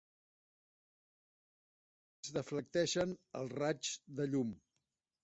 Les lents deflecteixen els raigs de llum.